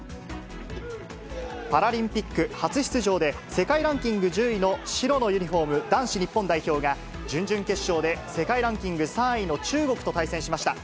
パラリンピック初出場で世界ランキング１０位の白のユニホーム、男子日本代表が準々決勝で世界ランキング３位の中国と対戦しました。